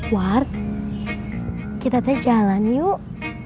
war kita teh jalan yuk